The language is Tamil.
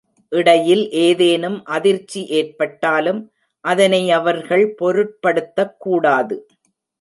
இடையில் ஏதேனும் அதிர்ச்சி ஏற்பட்டாலும் அதனை அவர்கள் பொருட்படுத்தக்கூடாது.